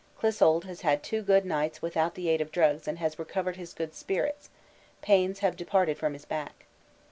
Clissold has had two good nights without the aid of drugs and has recovered his good spirits; pains have departed from his back.